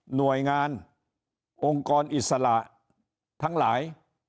หน่วยงานองค์กรอิสระทั้งหลาย